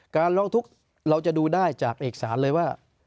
การร้องทุกข์เราจะดูได้จากเอกสารเลยว่า